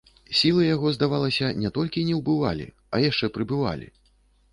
Сілы яго, здавалася, не толькі не ўбывалі, а яшчэ прыбывалі.